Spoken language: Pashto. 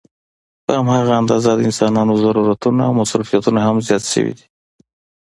په هماغه اندازه د انسانانو ضرورتونه او مصروفيتونه هم زيات شوي دي